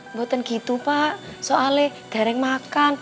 mboten gitu pak soalnya dareng makan